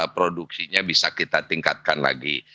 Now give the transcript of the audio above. produksinya bisa kita tingkatkan lagi